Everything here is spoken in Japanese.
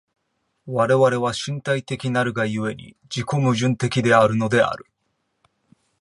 我々は身体的なるが故に、自己矛盾的であるのである。